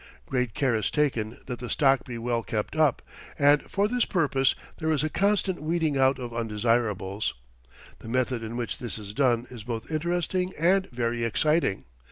Great care is taken that the stock be well kept up, and for this purpose there is a constant weeding out of undesirables. The method in which this is done is both interesting and very exciting.